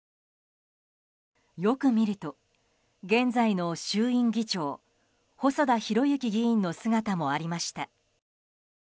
よく見ると現在の衆院議長細田博之議員の姿もありました。